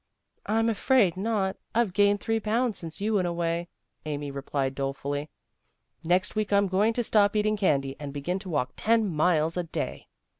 " I'm afraid not. I've gained three pounds since you went away," Amy replied dolefully. " Next week I'm going to stop eating candy, and begin to walk ten miles a day."